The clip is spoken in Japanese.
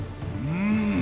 うん！